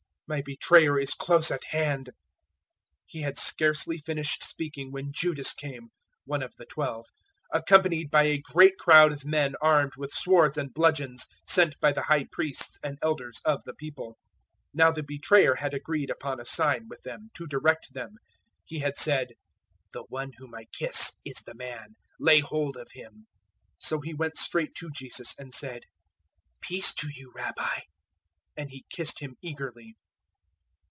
My betrayer is close at hand." 026:047 He had scarcely finished speaking when Judas came one of the Twelve accompanied by a great crowd of men armed with swords and bludgeons, sent by the High Priests and Elders of the People. 026:048 Now the betrayer had agreed upon a sign with them, to direct them. He had said, "The one whom I kiss is the man: lay hold of him." 026:049 So he went straight to Jesus and said, "Peace to you, Rabbi!" And he kissed Him eagerly.